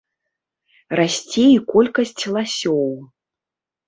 Расце і колькасць ласёў.